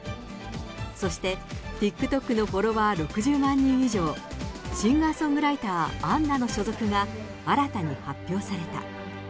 そして、ＴｉｋＴｏｋのフォロワー６０万人以上、シンガーソングライター、Ａｎｎａの所属が新たに発表された。